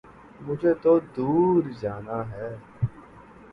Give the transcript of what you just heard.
مجھے تو دور جانا ہے